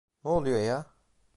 Ne oluyor ya?